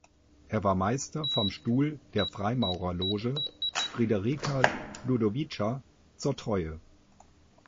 Er war Meister vom Stuhl der Freimaurerloge "Friderica Ludovica zur Treue".